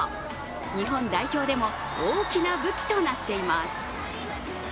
日本代表でも大きな武器となっています。